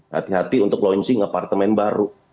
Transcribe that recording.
hati hati untuk launching apartemen baru